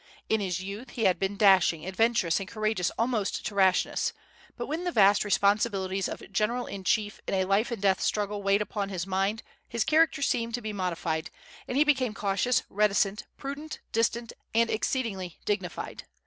In his youth he had been dashing, adventurous, and courageous almost to rashness; but when the vast responsibilities of general in chief in a life and death struggle weighed upon his mind his character seemed to be modified, and he became cautious, reticent, prudent, distant, and exceedingly dignified.